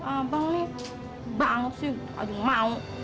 abang ini banget sih aduh mau